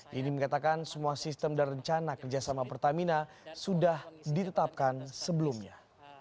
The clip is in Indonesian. yeni mengatakan semua sistem dan rencana kerjasama pertamina sudah ditetapkan sebelumnya